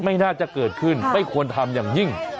ไม่น่าจะเกิดขึ้นไม่ควรทำอย่างยิ่ง